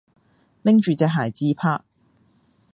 拎住隻鞋自拍